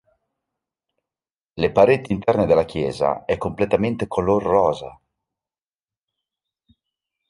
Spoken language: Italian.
Le pareti interne della chiesa è completamente color rosa.